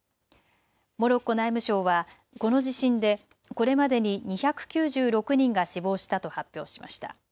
モロッコ内務省はこの地震でこれまでに２９６人が死亡したと発表しました。